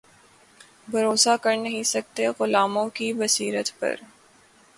بھروسا کر نہیں سکتے غلاموں کی بصیرت پر